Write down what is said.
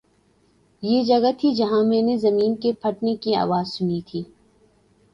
”یہ جگہ تھی، جہاں میں نے زمین کے پھٹنے کی آواز سنی تھی